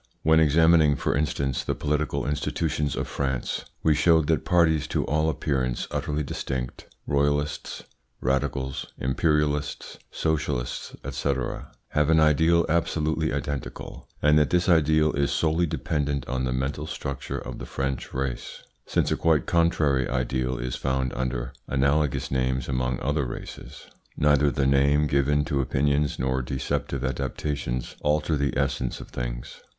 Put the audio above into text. When examining, for instance, the political institutions of France we showed that parties to all appearance utterly distinct royalists, radicals, imperialists, socialists, &c. have an ideal absolutely identical, and that this ideal is solely dependent on the mental structure of the French race, since a quite contrary ideal is found under analogous names among other races. Neither the name given to opinions nor deceptive adaptations alter the essence of things.